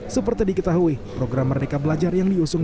seperti diketahui program merdeka belajar yang diusung